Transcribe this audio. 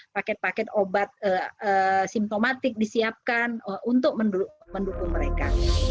paket paket obat simptomatik disiapkan untuk mendukung mereka